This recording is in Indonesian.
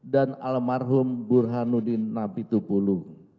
dan almarhum burhanuddin namitpulu